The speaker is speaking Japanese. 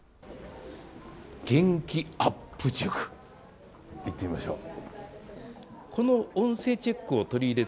元気アップ塾、行ってみましょう。